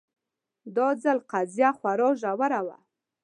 دا ځل قضیه خورا ژوره وه